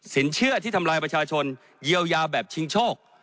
เชื่อที่ทำลายประชาชนเยียวยาแบบชิงโชค